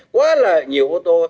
quá là nhiều ô tô